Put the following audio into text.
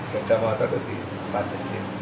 dan ada motor itu di pantai sini